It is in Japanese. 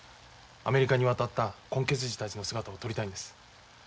アメリカに渡った混血児たちの姿を撮りたいんです。